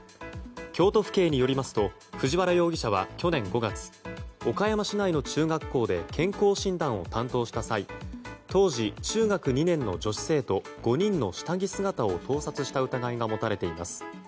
京都府警によりますと藤原容疑者は去年５月岡山市内の中学校で健康診断を担当した際当時、中学２年の女子生徒５人の下着姿を盗撮した疑いが持たれています。